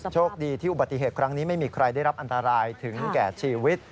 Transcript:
โชคดีที่อุบัติเหตุครั้งนี้ไม่มีใครได้รับอันตรายถึงแก่ชีวิต